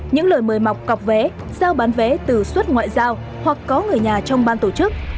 những lời mời mọc cọc vé giao bán vé từ suất ngoại giao hoặc có người nhà trong ban tổ chức